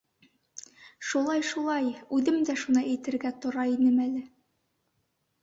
—Шулай, шулай, үҙем дә шуны әйтергә тора инем әле.